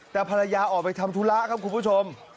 แต่ภรรยาออกไปทำธุระครับคุณผู้ชม